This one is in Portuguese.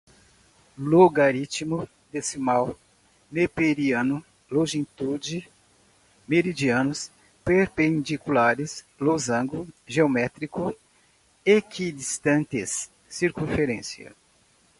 logaritmo, decimal, neperiano, longitude, meridianos, perpendiculares, losango, geométrico, equidistantes, circunferência